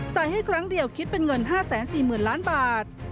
ให้ครั้งเดียวคิดเป็นเงิน๕๔๐๐๐ล้านบาท